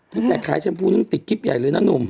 ตั้งแต่คล้ายชมพูติดคลิปใหญ่เลยนะนุ่ม